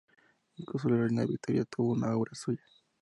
Incluso la reina Victoria tuvo una obra suya.